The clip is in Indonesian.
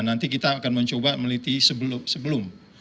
nanti kita akan mencoba meliti sebelum